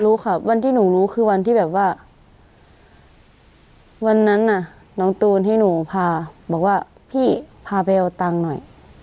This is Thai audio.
รู้ค่ะวันที่หนูรู้คือวันที่แบบว่าวันนั้นน่ะน้องตูนให้หนูพาบอกว่าพี่พาไปเอาตังค์หน่อย